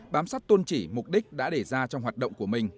bám sát tôn trị mục đích đã để ra trong hoạt động của mình